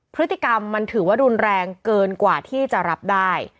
พฤติกรรมมันถือว่ารุนแรงเกินกว่าที่จะรับได้